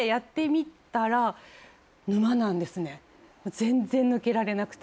全然抜けられなくて。